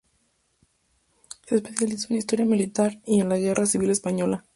Se especializó en historia militar y en la Guerra Civil Española.